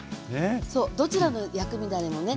どちらの薬味だれもね